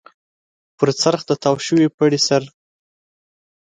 پر څرخ د تاو شوي پړي سر.